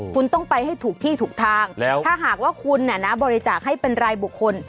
คุณต้องไปให้ถูกที่ถูกทางแล้วถ้าหากว่าคุณบริจาคให้เป็นรายบุคคล